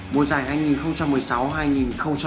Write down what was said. mùa giải hai nghìn một mươi sáu hai nghìn một mươi bảy